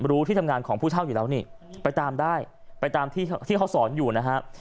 ที่ทำงานของผู้เช่าอยู่แล้วนี่ไปตามได้ไปตามที่เขาสอนอยู่นะฮะ